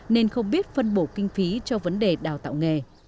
nên không biết phân bổ kinh phí cho vấn đề đào tạo nghề